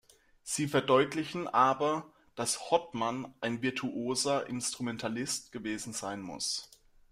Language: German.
Sie verdeutlichen aber, dass Hotman ein virtuoser Instrumentalist gewesen sein muss.